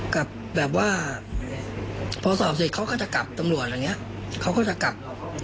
กลับแบบว่าพอสอบเสร็จเขาก็จะกลับตำรวจอะไรอย่างนี้เขาก็จะกลับ